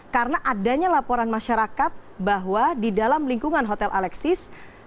karena adanya laporan masyarakat bahwa di dalam lingkungan hotel alexis